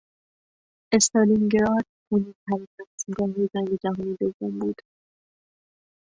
استالینگراد خونینترین رزمگاه جنگ جهانی دوم بود.